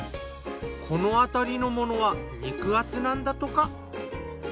このあたりの物は肉厚なんだとか。